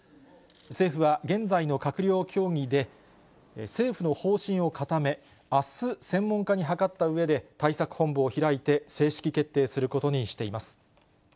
政府は、現在の閣僚協議で、政府の方針を固め、あす、専門家に諮ったうえで、対策本部を開いて、正式決定することにしています。